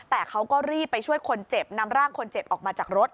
แต่เขาก็รีบไปช่วยคนเจ็บนำร่างคนเจ็บออกมาจากรถ